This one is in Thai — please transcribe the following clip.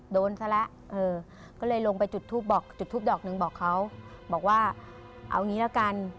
โดนซะแล้วก็เลยลงไปจุดทูปบอกจุดทูปดอกหนึ่งบอกเขาบอกว่าเอางี้ละกัน